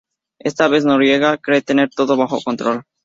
Esta vez Noriega cree tener todo bajo control.